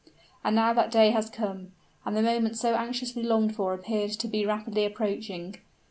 And now that day has come; and the moment so anxiously longed for appeared to be rapidly approaching.